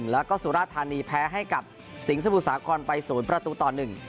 แล้วก็สุราธานีแพ้ให้กับสิงห์สมุทรสาครไป๐ประตูต่อ๑